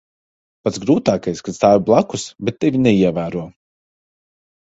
Pats grūtākais - kad stāvi blakus, bet tevi neievēro.